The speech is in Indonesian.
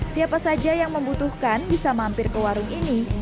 siapa saja yang membutuhkan bisa mampir ke warung ini